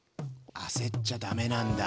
焦っちゃダメなんだ。